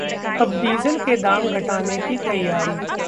अब डीजल के दाम घटाने की तैयारी